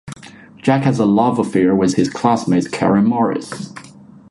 Jack has a love affair with his classmate Karen Morris.